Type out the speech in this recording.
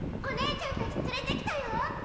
お姉ちゃん達連れてきたよ。